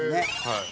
はい。